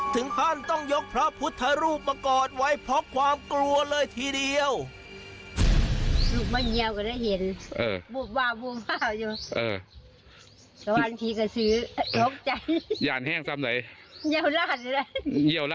ถึงขั้นต้องยกพระพุทธรูปมากอดไว้เพราะความกลัวเลยทีเดียว